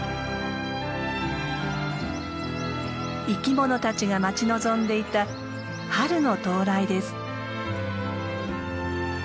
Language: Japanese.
生きものたちが待ち望んでいた春の到来です。